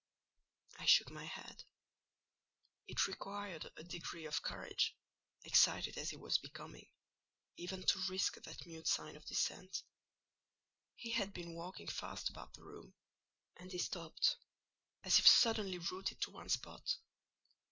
I shook my head: it required a degree of courage, excited as he was becoming, even to risk that mute sign of dissent. He had been walking fast about the room, and he stopped, as if suddenly rooted to one spot.